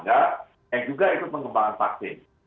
dan juga itu pengembangan vaksin